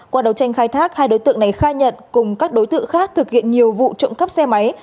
qua đầu tranh khai thác hai đối tượng này khai nhận cùng các đối tượng khác thực hiện nhiều vụ trộm cắp xe máy